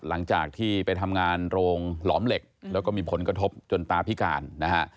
หลังจากที่ไปทำงานโรงหลอมเหล็กแล้วก็มีผลกระทบจนตาพิการนะฮะ